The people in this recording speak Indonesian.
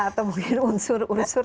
atau mungkin unsur unsur